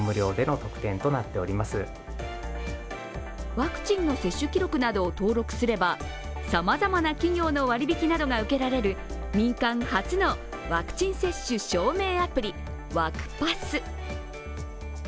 ワクチンの接種記録などを登録すればさまざまな企業の割り引きなどが受けられる民間初のワクチン接種証明アプリ、ワクパス。